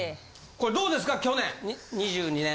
これどうですか去年２２年。